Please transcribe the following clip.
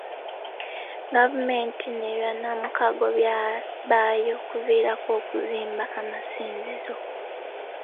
Gavumenti ne bannamukago baayo kiviirako okuzmba amasinzizo.